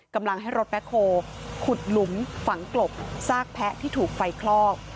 กำลังให้รถแบ็คโฮลขุดหลุมฝังกลบซากแพะที่ถูกไฟคลอก